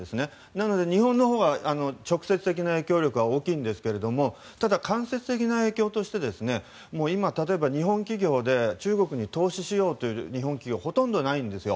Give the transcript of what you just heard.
なので、日本のほうは直接的な影響力は大きいんですがただ、間接的な影響として今、例えば日本企業で中国に投資しようという日本企業ほとんどないんですよ。